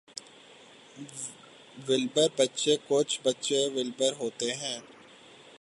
وولبر بچے کچھ بچے وولبر ہوتے ہیں۔